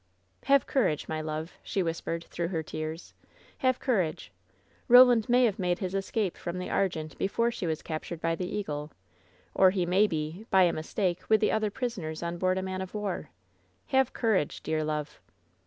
"Have courage, my love," she whispered, through her tears — "have courage. Roland may have made his es cape from the Argente before she was captured by the Eagle; or he may be, by a mistake, with the other pris oners on board a man of war. Have courage, dear love."